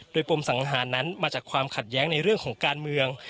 โดยปมสังหารนั้นมาจากความขัดแย้งในเรื่องของการเมือง